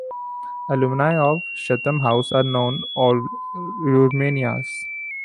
Alumni of Chatham House are known as Old Ruymians.